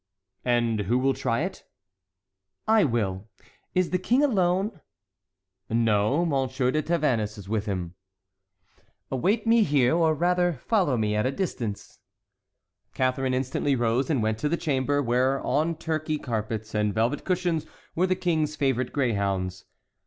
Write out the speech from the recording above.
"And who will try it?" "I will! Is the King alone?" "No; M. de Tavannes is with him." "Await me here; or, rather, follow me at a distance." Catharine instantly rose and went to the chamber, where on Turkey carpets and velvet cushions were the King's favorite greyhounds.